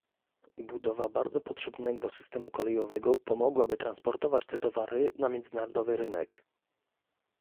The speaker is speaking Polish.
Budowa bardzo potrzebnego systemu kolejowego pomogłaby transportować te towary na międzynarodowy rynek